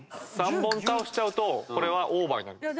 ３本倒しちゃうとこれはオーバーになります。